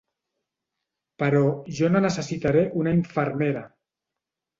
Però jo no necessitaré una infermera.